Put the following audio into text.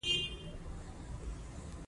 د وایرس ستونزه لرئ؟